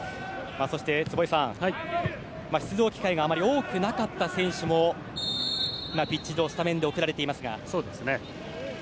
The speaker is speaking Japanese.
そして坪井さん、出場機会があまり多くなかった選手も今、ピッチ上スタメンで送られていますが。